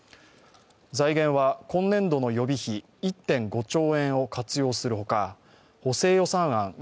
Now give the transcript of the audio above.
財源は今年度の予備費１．５兆円を活用するほか補正予算案